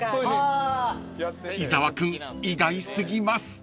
［伊沢君意外過ぎます］